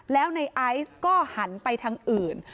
แล้วในไอซ์ก็หันไปทางอื่น